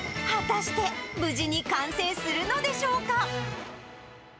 果たして、無事に完成するのでしょうか。